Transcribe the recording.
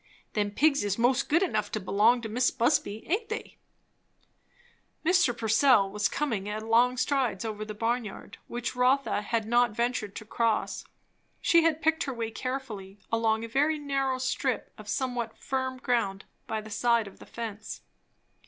"Them pigs is 'most good enough to belong to Mis' Busby, aint they?" Mr. Purcell was coming at long strides over the barnyard, which Rotha had not ventured to cross; she had picked her way carefully along a very narrow strip of somewhat firm ground by the side of the fence.